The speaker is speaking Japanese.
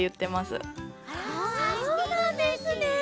あそうなんですね。